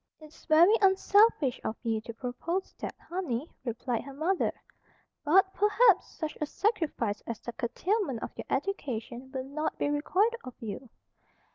"It's very unselfish of you to propose that, honey," replied her mother. "But, perhaps, such a sacrifice as the curtailment of your education will not be required of you."